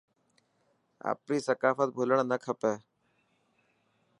آپري ثقافت ڀلڻ نا کپي.